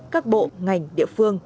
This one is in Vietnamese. các bộ ngành địa phương